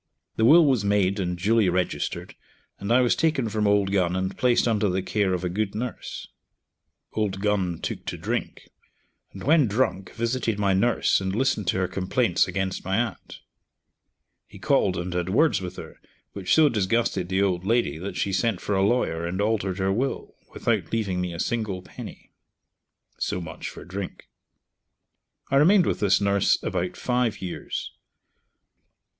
The will was made and duly registered, and I was taken from Old Gun and placed under the care of a good nurse. Old Gun took to drink, and when drunk visited my nurse, and listened to her complaints against my aunt. He called and had words with her, which so disgusted the old lady that she sent for a lawyer and altered her will, without leaving me a single penny. (So much for drink.) I remained with this nurse about five years.